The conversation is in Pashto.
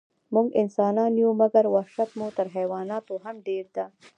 موږ انسانان یو، مګر وحشت مو تر حیواناتو هم ډېر ده.